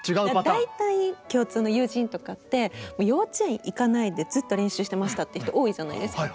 大体共通の友人とかって幼稚園行かないでずっと練習してましたって人多いじゃないですか。